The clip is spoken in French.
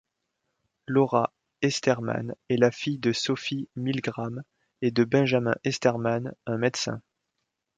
Laura Esterman est la fille de Sophie Milgram et de Benjamin Esterman, un médecin.